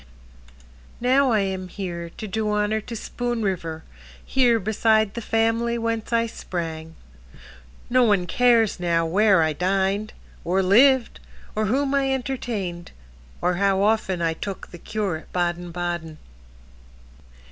Now I am here to do honor To Spoon River, here beside the family whence I sprang. No one cares now where I dined, Or lived, or whom I entertained, Or how often I took the cure at Baden Baden.